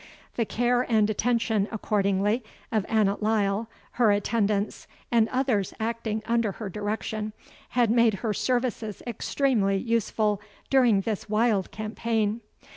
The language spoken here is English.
The care and attention, accordingly, of Annot Lyle, her attendants, and others acting under her direction, had made her services extremely useful during this wild campaign.